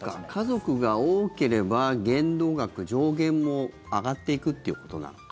家族が多ければ限度額、上限も上がっていくということなのか。